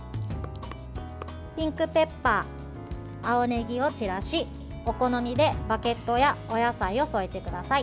ピンクペッパー、青ねぎを散らしお好みでバケットやお野菜を添えてください。